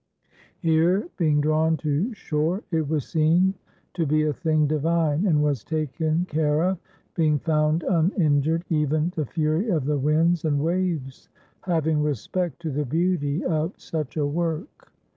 Here being drawn to shore, it was seen to be a thing divine, and was taken care of, being found uninjured, even the fury of the winds and waves having respect to the beauty of such a work.